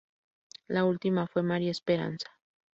La última fue María Esperanza.